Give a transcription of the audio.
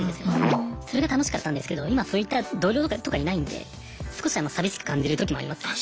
それが楽しかったんですけど今そういった同僚とかいないんで少し寂しく感じる時もありますね。